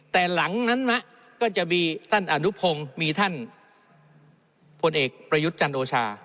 แต่หลังนั้นก็จะมีท่านอนุพงศ์มีท่านพลเอกประยุทธ์จันโอชา